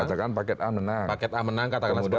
katakan paket a menang